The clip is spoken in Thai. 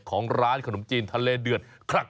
ของร้านขนมจีนทะเลเดือดคลัก